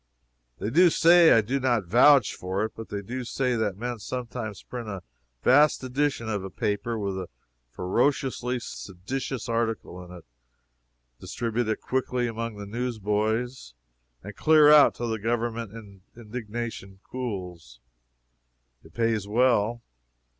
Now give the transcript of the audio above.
They do say I do not vouch for it but they do say that men sometimes print a vast edition of a paper, with a ferociously seditious article in it, distribute it quickly among the newsboys, and clear out till the Government's indignation cools. It pays well.